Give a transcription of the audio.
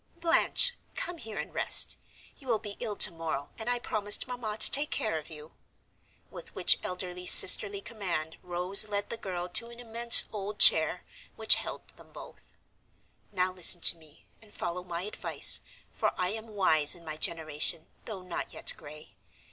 "Blanche, come here and rest, you will be ill tomorrow; and I promised Mamma to take care of you." With which elder sisterly command Rose led the girl to an immense old chair, which held them both. "Now listen to me and follow my advice, for I am wise in my generation, though not yet gray.